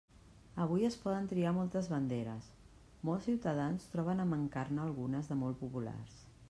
Avui es poden triar moltes banderes, molts ciutadans troben a mancar-ne algunes de molt populars.